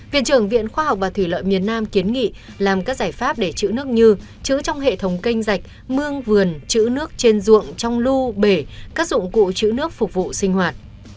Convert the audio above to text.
viện trưởng viện khoa học và thủy lợi miền nam kiến nghị làm các giải pháp để chữ nước như chữ trong hệ thống canh dạch mương vườn chữ nước trên ruộng trong lưu bể các dụng cụ chữ nước phục vụ sinh hoạt